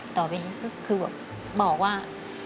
ต่อไปนี้ก็คือแบบบอกว่า